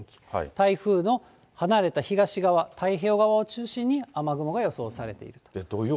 台風の離れた東側、太平洋側を中心に雨雲が予想されている。